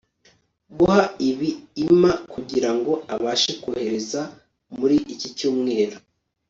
guha ibi imma kugirango abashe kohereza muri iki cyumweru